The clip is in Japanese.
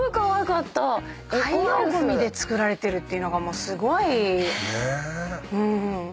海洋ごみで作られてるっていうのがもうすごい。